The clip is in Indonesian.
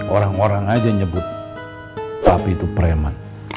orang orang aja nyebut tapi itu preman